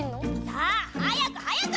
さあ早く早く！